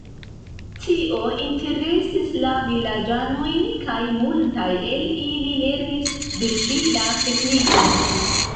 Tio interesis la vilaĝanojn, kaj multaj el ili lernis de ŝi la teknikon.